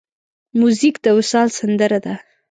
موزیک د وصال سندره ده.